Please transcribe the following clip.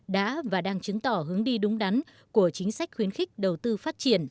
đã và đang chứng tỏ hướng đi đúng đắn của chính sách khuyến khích đầu tư phát triển